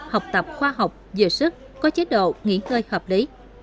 học tập khoa học dừa sức có chế độ nghỉ ngơi hợp lý